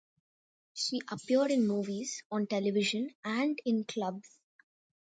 She appeared in movies, on television, and in clubs.